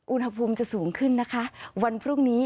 อุณหภูมิจะสูงขึ้นนะคะวันพรุ่งนี้